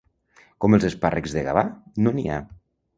Com els espàrrecs de Gavà, no n'hi ha.